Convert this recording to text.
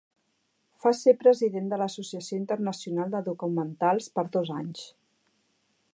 Fa ser president de l’Associació Internacional de Documentals per dos anys.